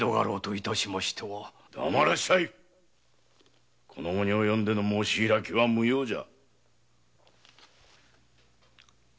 黙らっしゃいこの期に及んでの申し開きは無用じゃ。